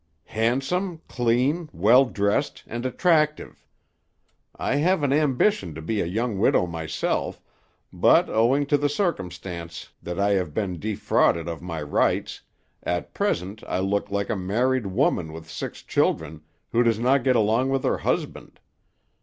"Handsome, clean, well dressed, and attractive. I have an ambition to be a young widow myself, but owing to the circumstance that I have been defrauded of my rights, at present I look like a married woman with six children who does not get along with her husband.